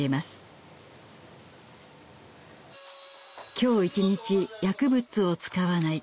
今日一日薬物を使わない。